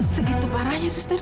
segitu parahnya suster